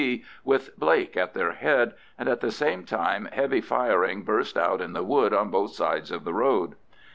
C., with Blake at their head, and at the same time heavy firing burst out in the wood on both sides of the road.